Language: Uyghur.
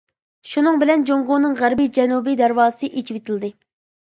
شۇنىڭ بىلەن جۇڭگونىڭ غەربىي جەنۇبىي دەرۋازىسى ئېچىۋېتىلدى.